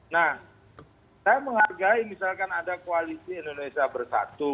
nah saya menghargai misalkan ada koalisi indonesia bersatu